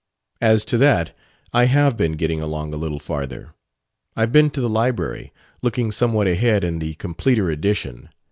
"As to that, I have been getting along a little farther; I've been to the Library, looking somewhat ahead in the completer edition.